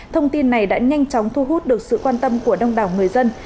thông tin này đã nhanh chóng thu hút được sự quan tâm của đông đảo người dân